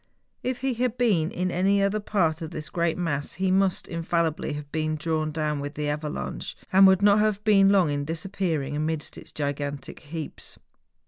If he had been in any other part of this great mass he must infallibly have been drawn down with the avalanche, and would not have been long in disappearing amidst its gigantic heaps.